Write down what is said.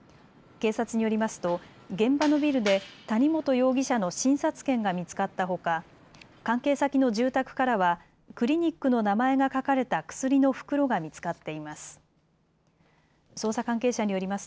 警察によりますと現場のビルで谷本容疑者の診察券が見つかったほか関係先の住宅からはクリニックの名前が書かれた薬の袋が見つかっています。